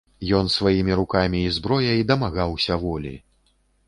Ён сваімі рукамі і зброяй дамагаўся волі.